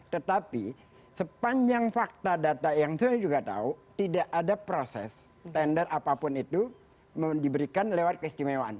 tetapi sepanjang fakta data yang saya juga tahu tidak ada proses tender apapun itu diberikan lewat keistimewaan